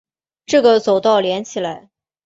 这个走道连起来